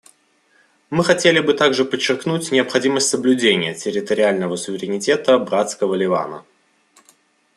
Мы хотели бы также подчеркнуть необходимость соблюдения территориального суверенитета братского Ливана.